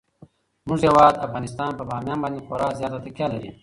زموږ هیواد افغانستان په بامیان باندې خورا زیاته تکیه لري.